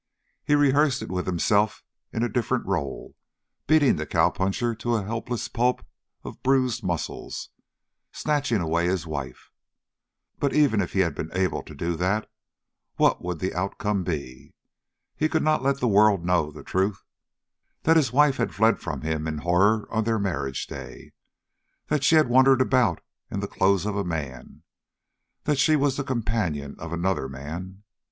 He rehearsed it with himself in a different role, beating the cowpuncher to a helpless pulp of bruised muscle, snatching away his wife. But even if he had been able to do that, what would the outcome be? He could not let the world know the truth that his wife had fled from him in horror on their marriage day, that she had wondered about in the clothes of a man, that she was the companion of another man.